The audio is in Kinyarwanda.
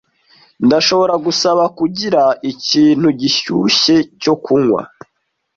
Ndashobora gusaba kugira ikintu gishyushye cyo kunywa?